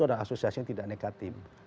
ada asosiasi yang tidak negatif